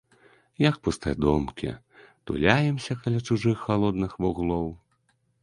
Як пустадомкі, туляемся каля чужых халодных вуглоў.